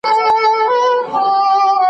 چارواکو ویلي چې مقررات اړین دي.